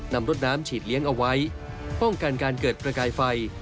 นำรถน้ำฉีดเลี้ยงเอาไว้ป้องกันการเกิดประกายไฟ